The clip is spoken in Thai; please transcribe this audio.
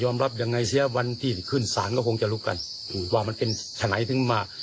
มีคุณศาลก็คงจะรู้กันว่ามันเป็นไหนมา